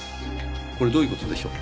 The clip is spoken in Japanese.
これどういう事でしょう？